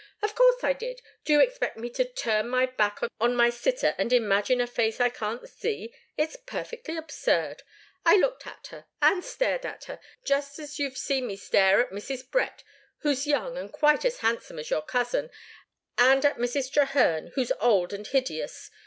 Of course I did. Do you expect me to turn my back on my sitter, and imagine a face I can't see? It's perfectly absurd. I looked at her, and stared at her, just as you've seen me stare at Mrs. Brett, who's young and quite as handsome as your cousin, and at Mrs. Trehearne, who's old and hideous.